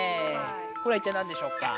これはいったい何でしょうか？